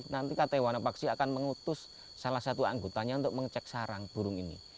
nanti ktwana paksi akan mengutus salah satu anggotanya untuk mengecek sarang burung ini